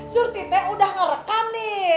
surti teh udah ngerekam nih